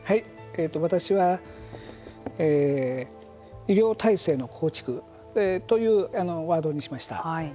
私は医療体制の構築というワードにしました。